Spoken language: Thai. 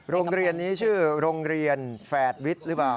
โรงเรียนนี้ชื่อโรงเรียนแฝดวิทย์หรือเปล่า